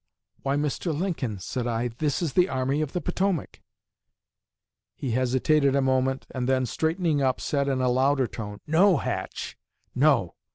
'Why, Mr. Lincoln,' said I, 'this is the Army of the Potomac' He hesitated a moment, and then, straightening up, said in a louder tone: 'No, Hatch, no.